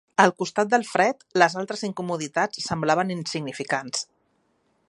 Al costat del fred, les altres incomoditats semblaven insignificants.